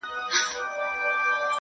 • سمدستي یې کړه ور پرې غاړه په توره -